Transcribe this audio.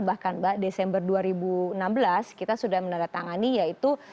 bahkan mbak desember dua ribu enam belas kita sudah menandatangani yaitu